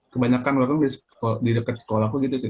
kebanyakan warung di dekat sekolahku gitu sih